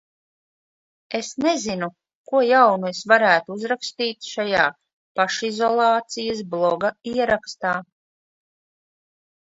Es nezinu, ko jaunu es varētu uzrakstīt šajā pašizolācijas bloga ierakstā.